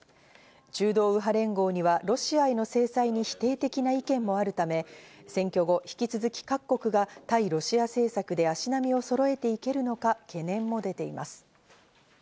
中道右派連合にはロシアへの制裁に否定的な意見もあるため、選挙後、引き続き各国が対ロシア政策で足並みをそろえていけるのか懸念も出ています。